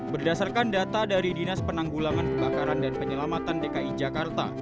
berdasarkan data dari dinas penanggulangan kebakaran dan penyelamatan dki jakarta